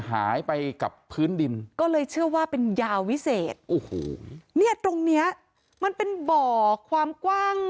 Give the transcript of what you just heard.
หายไปกับพื้นดินก็เลยเชื่อว่าเป็นยาวิเศษโอ้โหเนี่ยตรงเนี้ยมันเป็นบ่อความกว้าง